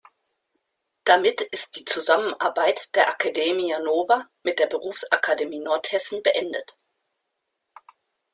Damit ist die Zusammenarbeit der „academia nova“ mit der Berufsakademie Nordhessen beendet.